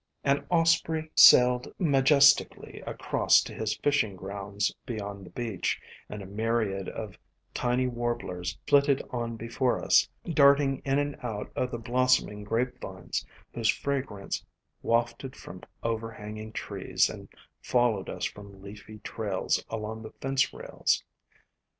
An osprey sailed majestically across to his fishing grounds beyond the beach, and a myriad of tiny warblers flitted on before us, darting in and out of the blossoming Grape vines, whose fragrance wafted from overhanging trees and followed us from leafy trails along the fence rails.